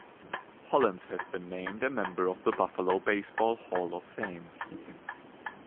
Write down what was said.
Hollins has been named a member of the Buffalo Baseball Hall of Fame.